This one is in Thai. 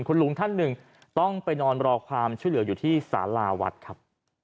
คุณลุงท่านหนึ่งต้องไปนอนรอความช่วยเหลืออยู่ที่สาราวัดครับ